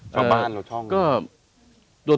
ช่วงบ้านหรือช่วง